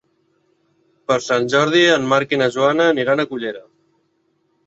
Per Sant Jordi en Marc i na Joana aniran a Cullera.